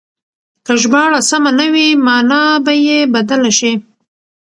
که ژباړه سمه نه وي مانا به يې بدله شي.